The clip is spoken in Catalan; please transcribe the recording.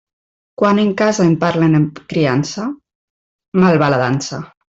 Quan en casa em parlen amb criança, mal va la dansa.